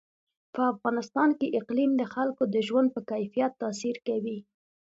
په افغانستان کې اقلیم د خلکو د ژوند په کیفیت تاثیر کوي.